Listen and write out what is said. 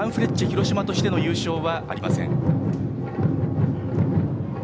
広島としての優勝はありません。